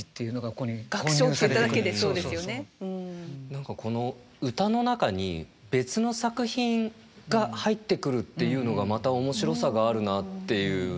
何かこの歌の中に別の作品が入ってくるっていうのがまた面白さがあるなっていう。